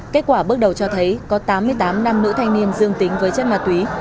kết quả bước đầu cho thấy có tám mươi tám nam nữ thanh niên dương tính với chất ma túy